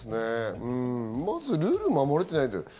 まずルールを守れていない。